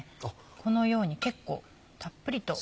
このように結構たっぷりと。